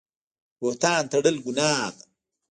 بهتان تړل ګناه ده